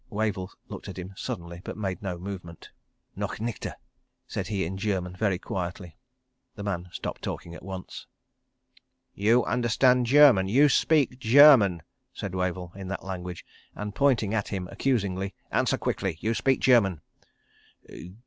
.." Wavell looked at him suddenly, but made no movement. "Noch nichte!" said he in German, very quietly. The man stopped talking at once. "You understand German. You speak German!" said Wavell, in that language, and pointing at him accusingly. "Answer quickly. You speak German."